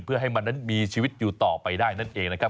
เพื่อให้มันนั้นมีชีวิตอยู่ต่อไปได้นั่นเองนะครับ